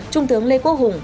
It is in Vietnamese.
trung tướng lê quốc hùng